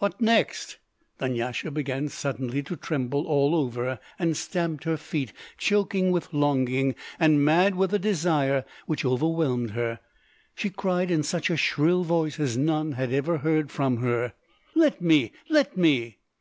"What next!" Dunyasha began suddenly to tremble all over, and stamped her feet; choking with longing, and mad with the desire, which overwhelmed her, she cried in such a shrill voice as none had ever heard from her: "Let me! let me!"